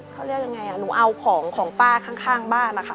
เขาเรียกยังไงหนูเอาของของป้าข้างบ้านนะคะ